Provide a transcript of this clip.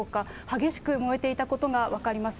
激しく燃えていたことが分かります。